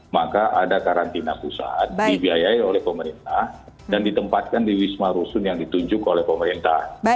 maka ada karantina pusat dibiayai oleh pemerintah dan ditempatkan di wisma rusun yang ditunjuk oleh pemerintah